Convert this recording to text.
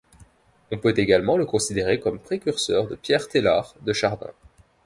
On peut également le considérer comme précurseur de Pierre Teilhard de Chardin.